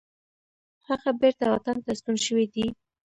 هغه بیرته وطن ته ستون شوی دی.